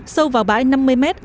sâu vào bãi năm mươi m